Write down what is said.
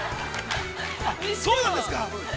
◆そうなんですか。